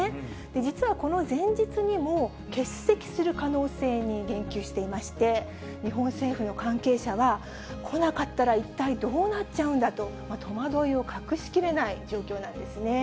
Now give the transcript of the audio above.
実はこの前日にも、欠席する可能性に言及していまして、日本政府の関係者は、来なかったら一体どうなっちゃうんだと、戸惑いを隠しきれない状況なんですね。